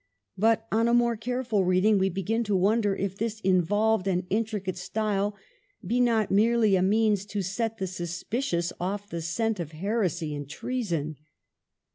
But on a more careful reading we begin to wonder if this involved and intricate style be not merely a means to set the suspicious off the scent of heresy and treason.